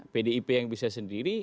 pdip yang bisa sendiri